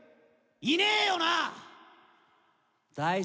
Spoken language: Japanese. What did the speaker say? いねえよなあ！？